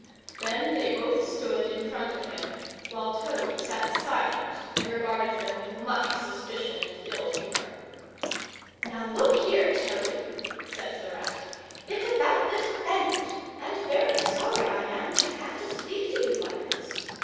Then they both stood in front of him, while Toad sat silent and regarded them with much suspicion and ill humour. "Now, look here, Toad," said the Rat. "It's about this Banquet, and very sorry I am to have to speak to you like this.